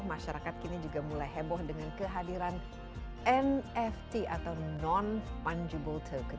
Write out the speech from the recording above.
masyarakat kini juga mulai heboh dengan kehadiran nft atau non fungible turkis